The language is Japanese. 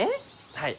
はい。